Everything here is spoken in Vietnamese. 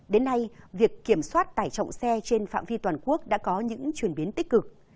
đến nay việc kiểm soát tải trọng xe trên phạm vi toàn quốc đã có những chuyển biến tích cực